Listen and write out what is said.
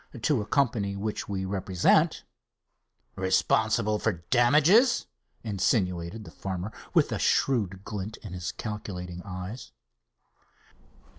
"To a company which we represent." "Responsible for damages?" insinuated the farmer, with a shrewd glint in his calculating eyes.